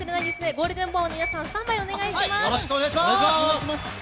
ゴールデンボンバーの皆さんスタンバイをお願いします。